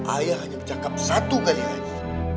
ayah hanya bercakap satu kali lagi